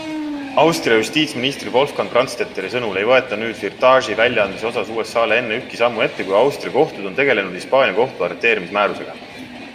Austria justiitsministri Wolfgang Brandstetteri sõnul ei võeta nüüd Firtaši väljaandmise osas USAle enne ühtki sammu ette kui Austria kohtud on tegelenud Hispaania kohtu arreteerimismäärusega.